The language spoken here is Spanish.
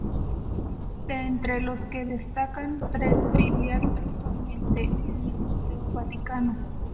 De entre los que destacan tres Biblias, actualmente en el museo vaticano.